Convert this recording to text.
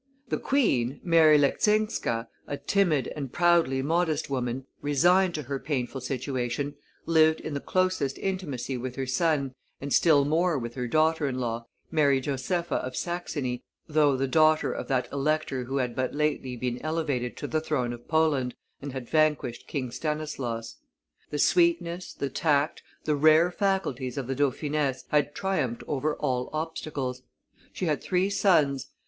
The Queen, Mary Leczinska, a timid and proudly modest woman, resigned to her painful situation, lived in the closest intimacy with her son, and still more with her daughterin law, Mary Josepha of Saxony, though the daughter of that elector who had but lately been elevated to the throne of Poland, and had vanquished King Stanislaus. The sweetness, the tact, the rare faculties of the dauphiness had triumphed over all obstacles. She had three sons.